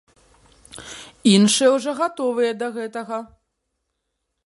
Іншыя ўжо гатовыя да гэтага.